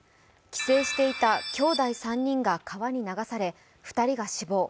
帰省していたきょうだい３人が川に流され２人が死亡。